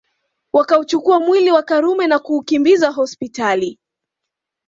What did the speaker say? Wakauchukua mwili wa Karume na kuukimbiza hospitali